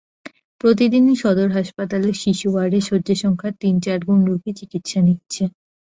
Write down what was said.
প্রতিদিনই সদর হাসপাতালের শিশু ওয়ার্ডে শয্যাসংখ্যার তিন-চার গুণ রোগী চিকিৎসা নিচ্ছে।